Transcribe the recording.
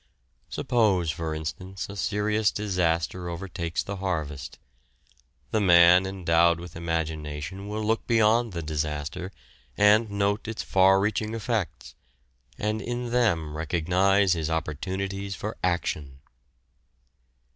Suppose, for instance, a serious disaster overtakes the harvest. The man endowed with imagination will look beyond the disaster and note its far reaching effects, and in them recognise his opportunities for action.